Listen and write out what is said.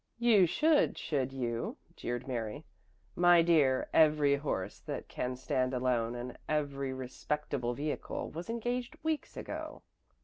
"You should, should you?" jeered Mary. "My dear, every horse that can stand alone and every respectable vehicle was engaged weeks ago."